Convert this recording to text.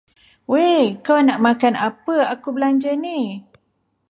Wei, kau nak makan apa aku belanja ni.